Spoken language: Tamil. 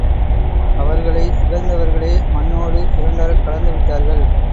அவர்களை இகழ்ந்தவர்களே மண்ணோடு இரண்டறக் கலந்து விட்டார்கள்.